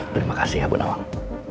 terima kasih ya bunawang